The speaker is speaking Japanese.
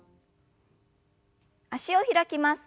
脚を開きます。